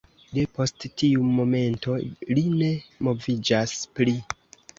Depost tiu momento, li ne moviĝas pli.